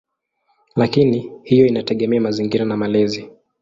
Lakini hiyo inategemea mazingira na malezi.